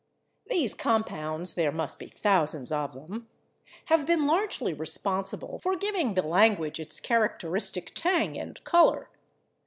These compounds (there must be thousands of them) have been largely responsible for giving the language its characteristic tang and color.